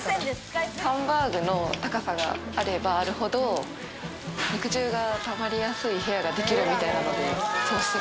ハンバーグの高さがあればあるほど、肉汁がたまりやすい部屋ができるみたいなので。